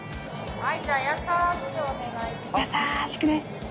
はい。